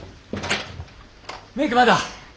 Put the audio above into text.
メイクまだ？